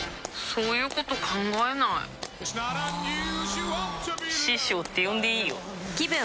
そういうこと考えないあ師匠って呼んでいいよぷ